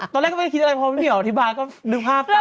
ตอนแรกก็ไม่ได้คิดอะไรเพราะว่านี่เนี่ยอธิบายก็ลืมภาพตาม